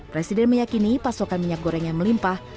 presiden meyakini pasokan minyak goreng yang melimpah